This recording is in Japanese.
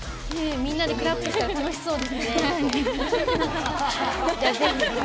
みんなでクラップしたら楽しそうですね。